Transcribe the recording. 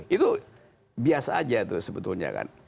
itu biasa aja tuh sebetulnya kan